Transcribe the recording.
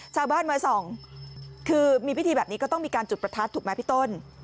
ชาวบ้านมาส่องคือมีพิธีแบบนี้ก็ต้องมีการจุดประทัดถูกไหมพี่ต้น